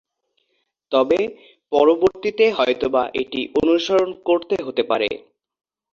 তবে, পরবর্তীতে হয়তোবা এটি অনুসরণ করতে হতে পারে।